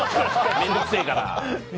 面倒くせえから。